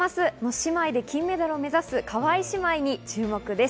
姉妹で金メダルを目指す川井姉妹に注目です。